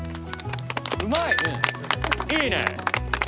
うまい！いいね！